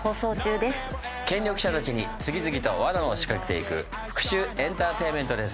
権力者たちに次々とわなを仕掛けてく復讐エンターテインメントです。